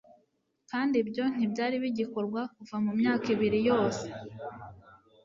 kandi ibyo ntibyari bigikorwa kuva mu myaka ibiri yose